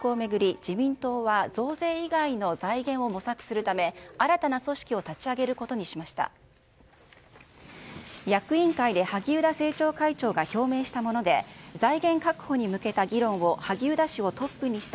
自民党は増税以外の財源を模索するため新たな組織を立ち上げることにしました。